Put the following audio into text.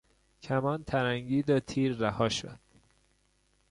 کمان ترنگید و تیر رها شد.